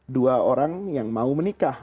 dua orang yang mau menikah